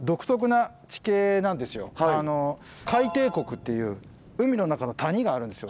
海底谷っていう海の中の谷があるんですよ。